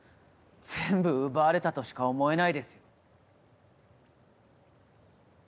全部奪われたとしか思えないですよ。